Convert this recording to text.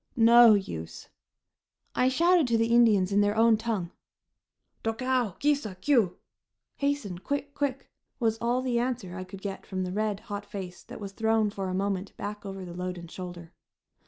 No use. I shouted to the Indians in their own tongue. "Tokau! Ki sa! Kiu!" (Hasten! Quick! Quick!) was all the answer I could get from the red, hot face that was thrown for a moment back over the load and shoulder.